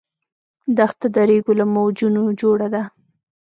دښته د ریګو له موجونو جوړه ده.